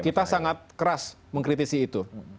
kita sangat keras mengkritisi itu